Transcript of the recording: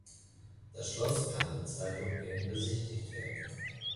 Das Schloss kann mit zwei Rundgängen besichtigt werden.